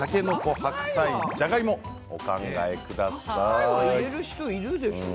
白菜は入れる人いるでしょう。